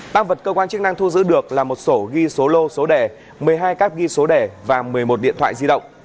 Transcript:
tăng vật cơ quan chức năng thu giữ được là một sổ ghi số lô số đẻ một mươi hai các ghi số đẻ và một mươi một điện thoại